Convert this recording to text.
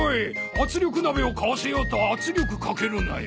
圧力鍋を買わせようと圧力かけるなよ。